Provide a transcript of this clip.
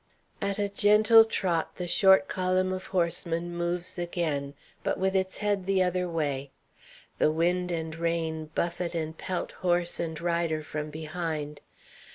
At a gentle trot the short column of horsemen moves again, but with its head the other way. The wind and rain buffet and pelt horse and rider from behind.